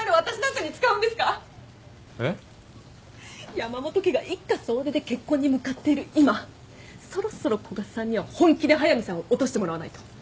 山本家が一家総出で結婚に向かっている今そろそろ古賀さんには本気で速見さんを落としてもらわないと。